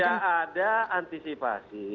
tidak ada antisipasi